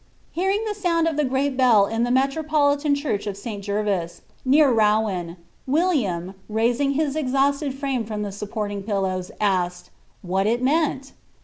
Hearing ihe sound of the great bell in the metropolitan church of Si, Gervii, near Rouen, William, tnising his exliausted frame from the supporliiif pillows, asked "What it mean! ?"'